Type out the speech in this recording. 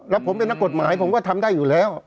แล้วผมเป็นนักกฎหมายผมก็ทำได้อยู่แล้ว